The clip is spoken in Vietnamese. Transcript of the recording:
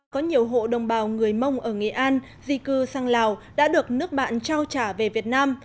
có nhiều hộ đồng bào người mông ở nghệ an di cư sang lào đã được nước bạn trao trả về việt nam